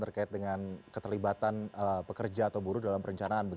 terkait dengan keterlibatan pekerja atau buruh dalam perencanaan